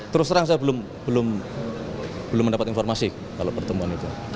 terus terang saya belum mendapat informasi kalau pertemuan itu